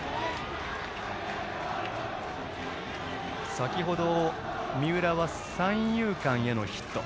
先程、三浦は三遊間へのヒット。